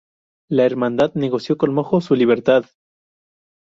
La Hermandad negoció con Mojo su libertad.